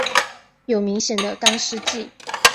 有明显的干湿季。